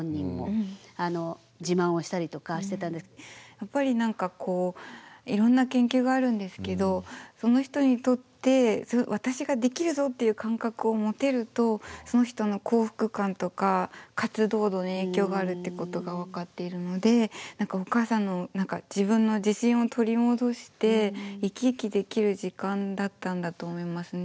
やっぱり何かこういろんな研究があるんですけどその人にとって私ができるぞっていう感覚を持てるとその人の幸福感とか活動度に影響があるっていうことが分かっているのでお母さんの自分の自信を取り戻して生き生きできる時間だったんだと思いますね。